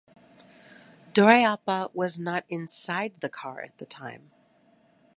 Duraiappah was not inside the car at the time.